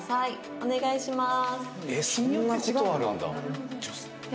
お願いします。